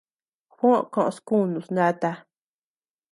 Juó koʼös kunus nata.